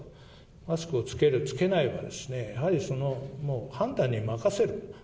マスクを着ける着けないは、やはり、もう判断に任せる。